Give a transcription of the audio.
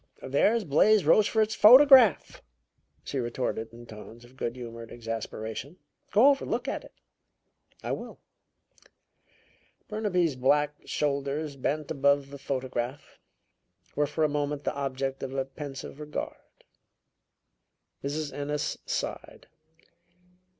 "There's Blais Rochefort's photograph," she retorted in tones of good humored exasperation. "Go over and look at it." "I will." Burnaby's black shoulders, bent above the photograph, were for a moment the object of a pensive regard. Mrs. Ennis sighed.